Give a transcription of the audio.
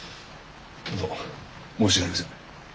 ホント申し訳ありません。